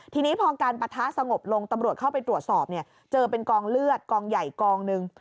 ทีนี้พอการปะทะสงบลงตำรวจเข้าไปตรวจสอบเนี่ยเจอเป็นกองเลือดกองใหญ่กองหนึ่ง